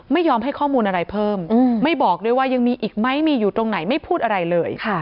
ไม่ยอมให้ข้อมูลอะไรเพิ่มไม่บอกด้วยว่ายังมีอีกไหมมีอยู่ตรงไหนไม่พูดอะไรเลย